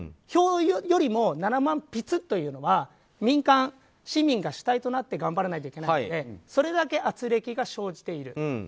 票よりも７万筆というのは民間市民が主体となって頑張らないといけないのでそれだけ軋轢が生じている。